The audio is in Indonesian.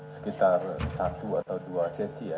sekitar satu atau dua sesi ya